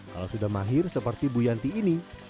kalau sudah mahir seperti bu yanti ini